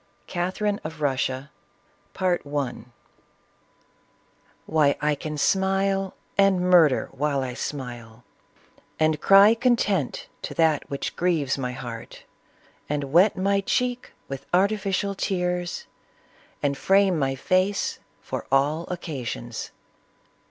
CATHERINE OF RUSSIA. vm. Cdtjmtu of Htt00ta. "Why, I can smile, and murder •while I smile; And cry content to that which grieves my heart; And wet my cheek with artificial tears; And frame my face to all occasions."